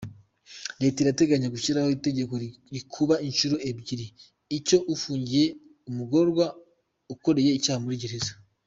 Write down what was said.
Leta irateganya gushyiraho itegeko rikuba inshuro ebyiri icyo afungiye, umugororwa ukoreye icyaha muri gereza.